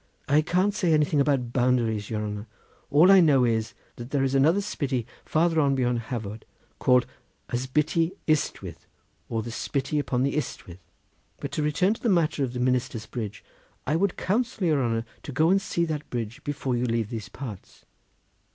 "I can't say anything about boundaries, your honour; all I know is, that there is another Spytty farther on beyond Hafod called Ysbytty Ystwyth, or the 'Spytty upon the Ystwyth. But to return to the matter of the Minister's Bridge: I would counsel your honour to go and see that bridge before you leave these parts.